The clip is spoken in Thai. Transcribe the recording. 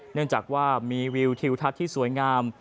เนื่องจากว่ามีวิวทิวทัศน์ที่สวยงาม